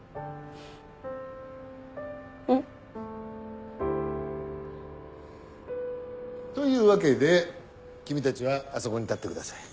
うん。というわけで君たちはあそこに立ってください。